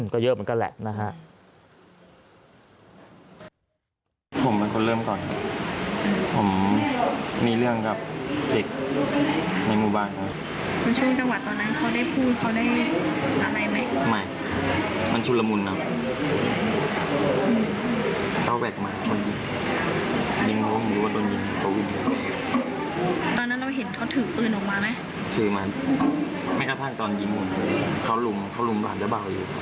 ก็เยอะเหมือนกันแหละนะฮะ